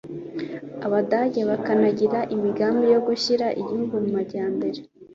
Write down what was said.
abadage bakanagira imigambi yo gushyira igihugu mu majyambere